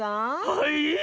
はい？